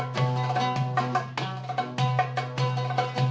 ya ampun sindrolmu banget